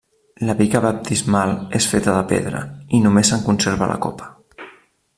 La pica baptismal és feta de pedra, i només se'n conserva la copa.